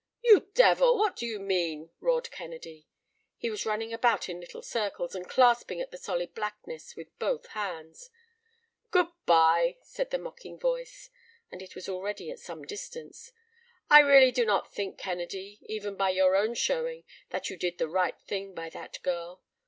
"You devil, what do you mean?" roared Kennedy. He was running about in little circles and clasping at the solid blackness with both hands. "Good bye," said the mocking voice, and it was already at some distance. "I really do not think, Kennedy, even by your own showing that you did the right thing by that girl.